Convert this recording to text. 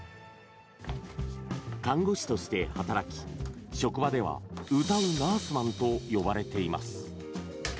看護師として働き職場では歌うナースマンと呼ばれています。